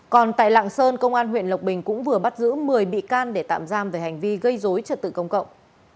còn tại lạng sơn công an huyện lộc bình cũng vừa bắt giữ một mươi bị can để tạm giam về hành vi gây dối trật tự công cộng